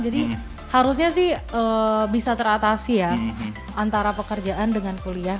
jadi harusnya sih bisa teratasi ya antara pekerjaan dengan kuliah